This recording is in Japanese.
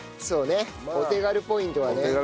そうねお手軽ポイントはね。